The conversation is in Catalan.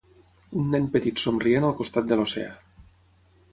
Un nen petit somrient al costat de l'oceà